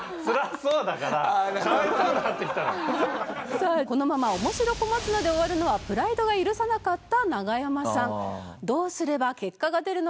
さあこのままおもしろ小松菜で終わるのはプライドが許さなかったナガヤマさん。